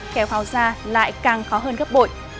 kéo pháo ra lại càng khó hơn gấp bội